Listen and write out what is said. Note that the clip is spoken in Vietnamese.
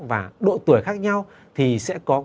và độ tuổi khác nhau thì sẽ có